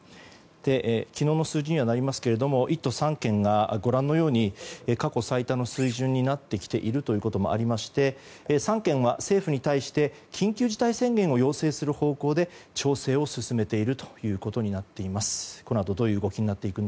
昨日の数字にはなりますが１都３県はご覧のように過去最多の水準になってきていることもありまして３県は政府に対して緊急事態宣言を要請する方向で調整を進めているということになっています。